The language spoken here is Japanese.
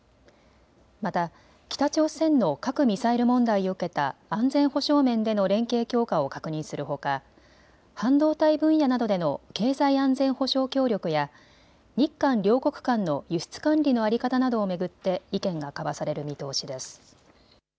また北朝鮮の核・ミサイル問題を受けた安全保障面での連携強化を確認するほか半導体分野などでの経済安全保障協力や日韓両国間の輸出管理の在り方などを巡って意見が交わされる見通しです。